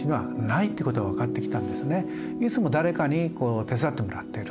いつも誰かに手伝ってもらっている。